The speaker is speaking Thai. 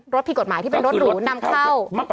ผิดกฎหมายที่เป็นรถหรูนำเข้า